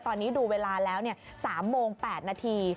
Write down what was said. ตอนนี้ดูเวลาแล้ว๓โมง๘นาที